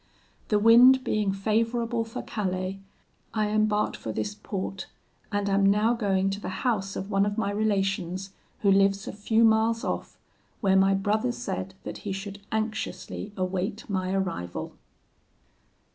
The wind being favourable for Calais, I embarked for this port, and am now going to the house of one of my relations who lives a few miles off, where my brother said that he should anxiously await my arrival."